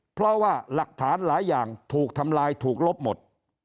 เพราะว่าหลักฐานหลายอย่างถูกทำลายถูกลบหมด